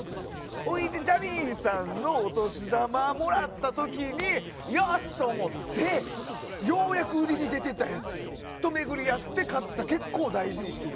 それでジャニーさんのお年玉もらった時によし！と思ってようやく売りに出てたやつと巡り合えて買った、結構大事にしてる。